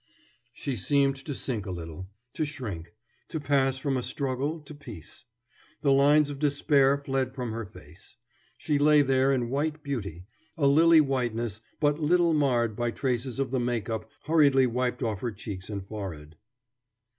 She seemed to sink a little, to shrink, to pass from a struggle to peace. The lines of despair fled from her face. She lay there in white beauty, a lily whiteness but little marred by traces of the make up hurriedly wiped off her cheeks and forehead.